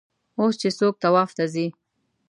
اوس چې څوک طواف ته ځي.